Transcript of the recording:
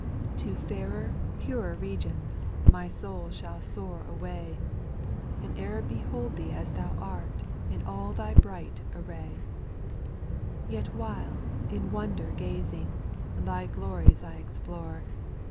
416 SPIRITUAL SONGS. 5. To fairer, i3urer regions, my soul shall soai away, And e'er behold Thee as Thou art, in all Thy bright array ; Yet while, in wonder gazing, Thy glories I explore.